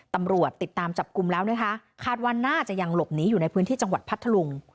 ตำรวจติดตามจับกลุ่มแล้วนะคะคาดว่าน่าจะยังหลบหนีอยู่ในพื้นที่จังหวัดพัทธลุง